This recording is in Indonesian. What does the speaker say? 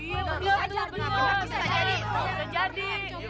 iya benar pak bisa jadi